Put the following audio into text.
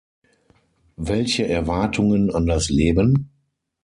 Welche Erwartungen an das Leben?